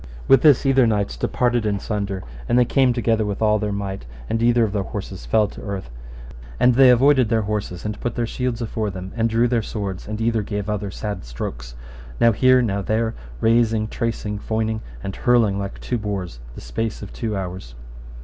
With this either knights departed in sunder, and they came together with all their might, and either of their horses fell to the earth, and they avoided their horses, and put their shields afore them and drew their swords, and either gave other sad strokes, now here, now there, rasing, tracing, foining, and hurling like two boars, the space of two hours.